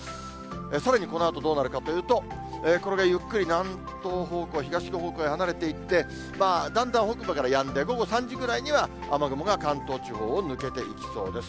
さらにこのあとどうなるかというと、これがゆっくり南東方向、東の方向へ離れていって、だんだん北部からやんで、午後３時ぐらいには雨雲が関東地方を抜けていきそうです。